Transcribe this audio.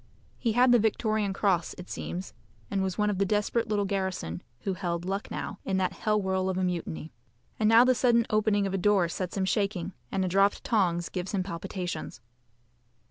He had the Victoria Cross it seems, and was one of the desperate little garrison who held Lucknow in that hell whirl of a mutiny. And now the sudden opening of a door sets him shaking, and a dropped tongs gives him palpitations.